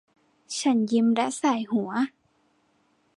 ฉันยิ้มและส่ายหัว